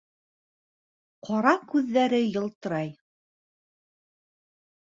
Ҡара күҙҙәре ялтырай.